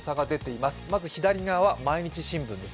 まず左側は毎日新聞です。